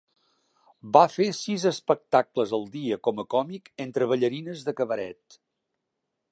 Va fer sis espectacles al dia com a còmic entre ballarines de cabaret.